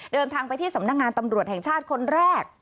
เดินทางไปที่สำนักงานตำรวจแห่งชาติคนแรก